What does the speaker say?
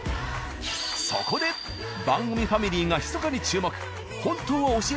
そこで番組ファミリーがひそかに注目。